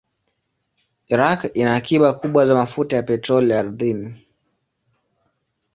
Iraq ina akiba kubwa za mafuta ya petroli ardhini.